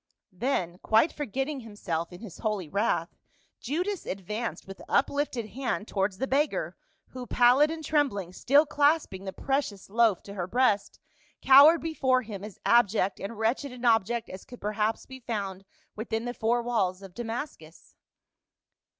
Then quite forgetting himself in his holy wrath, Judas advanced with uplifted hand towards the beggar, who pallid and trembling, still clasping the precious loaf to her breast, cowered before him, as abject and wretched an object as could perhaps be found within the four walls of Damascus.